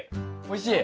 おいしい？